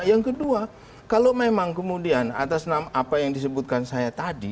yang kedua kalau memang kemudian atas nama apa yang disebutkan saya tadi